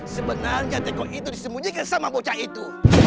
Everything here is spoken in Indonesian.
sebenarnya teko itu disemunyikan sama bocah itu